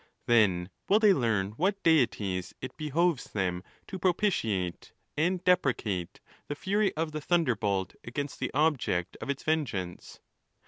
Then will they learn what deities it behoves them to propitiate, and deprecate the fury of the thunderbolt against the object of its vengeance.